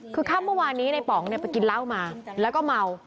คือคาบเมื่อวานนี้นายป๋องไปกินเล่ามาและก็เมา